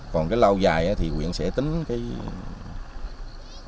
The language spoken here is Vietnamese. còn cái lâu dài thì huyện sẽ tính